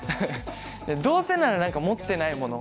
どうせなら何か持ってない物。